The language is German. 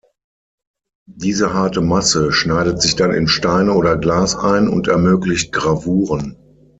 Diese harte Masse schneidet sich dann in Steine oder Glas ein und ermöglicht Gravuren.